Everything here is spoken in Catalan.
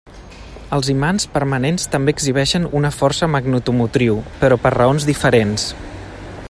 Els imants permanents també exhibeixen una força magnetomotriu, però per raons diferents.